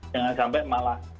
jangan sampai malah